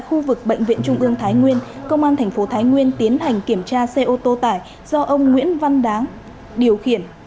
khu vực bệnh viện trung ương thái nguyên công an thành phố thái nguyên tiến hành kiểm tra xe ô tô tải do ông nguyễn văn đáng điều khiển